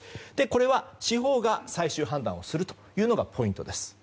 これは、司法が最終判断をするというのがポイントです。